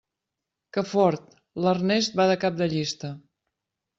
Que fort, l'Ernest va de cap de llista.